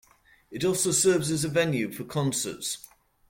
It also serves as a venue for concerts.